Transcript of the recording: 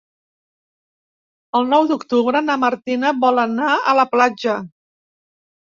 El nou d'octubre na Martina vol anar a la platja.